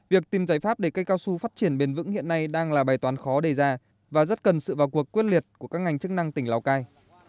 việc tìm giải pháp để cây cao su phát triển bền vững hiện nay đang là bài toán khó đề ra và rất cần sự vào cuộc quyết liệt của các ngành chức năng tỉnh lào cai